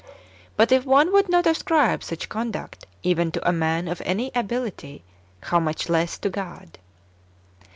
But if one would not ascribe such conduct even to a man of any ability, how much less to God